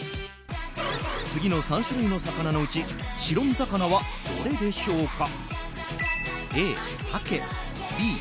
次の３種類の魚のうち白身魚はどれでしょうか？